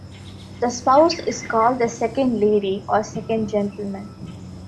The spouse is called the "Second Lady" or "Second Gentleman".